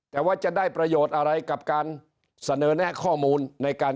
แต่ว่าจะได้ประโยชน์อะไรกับการเสนอแนะข้อมูลในการ